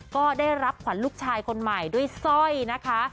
ก็ได้รับขวัญลูกชายคนใหม่ด้วยสร้อยนะคะ